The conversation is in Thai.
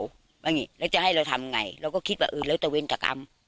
อย่างนี้แล้วจะให้เราทำไงเราก็คิดว่าเออแล้วแต่เวรกรรม